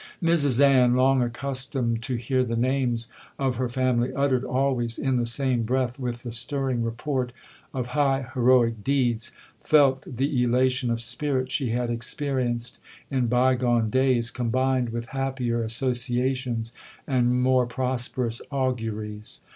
'Mrs Ann, long accustomed to hear the names of her family uttered always in the same breath with the stirring report of high heroic deeds, felt the elation of spirit she had experienced in bygone days, combined with happier associations, and more prosperous auguries.